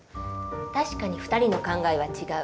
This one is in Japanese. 確かに２人の考えは違う。